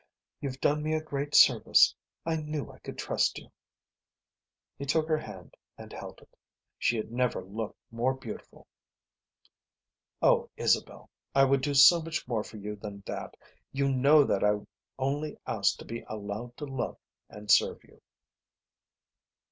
"You've done me a great service. I knew I could trust you." He took her hand and held it. She had never looked more beautiful. "Oh, Isabel, I would do so much more for you than that. You know that I only ask to be allowed to love and serve you."